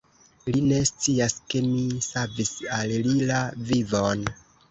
Li ne scias, ke mi savis al li la vivon!